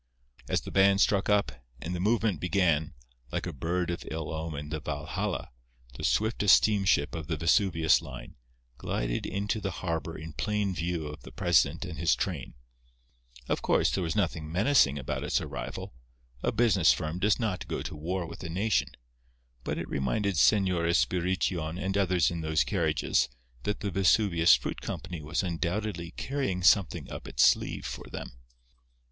As the band struck up, and the movement began, like a bird of ill omen the Valhalla, the swiftest steamship of the Vesuvius line, glided into the harbour in plain view of the president and his train. Of course, there was nothing menacing about its arrival—a business firm does not go to war with a nation—but it reminded Señor Espirition and others in those carriages that the Vesuvius Fruit Company was undoubtedly carrying something up its sleeve for them.